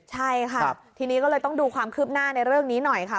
ใช่ค่ะทีนี้ก็เลยต้องดูความคืบหน้าในเรื่องนี้หน่อยค่ะ